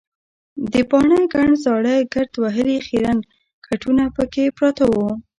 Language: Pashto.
د باڼه ګڼ زاړه ګرد وهلي خیرن کټونه پکې پراته وو.